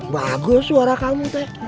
bagus suara kamu teh